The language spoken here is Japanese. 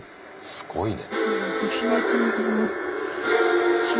すごいね。